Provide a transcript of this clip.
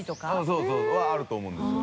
そうそれはあると思うんですよ。